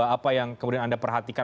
apa yang kemudian anda perhatikan